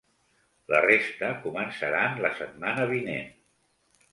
La resta començaran la setmana vinent.